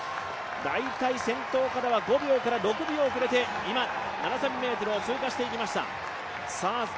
大体、先頭からは５６秒遅れて、７０００ｍを通過していきました。